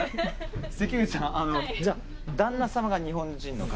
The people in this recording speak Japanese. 関口さん、旦那様が日本人の方？